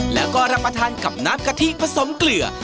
แล้วก็รับประทานกับน้ำกะทิผสมเกลือ